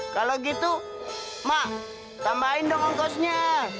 kalau gitu mah tambahin dong ongkosnya